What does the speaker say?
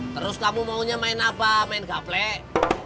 terus kamu maunya main apa main gaplek